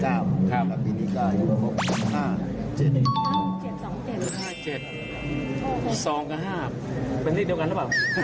ห้าเจ็ดสองกับห้าเป็นเรียกเดียวกันหรือเปล่า